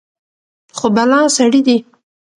خو بلا سړى دى.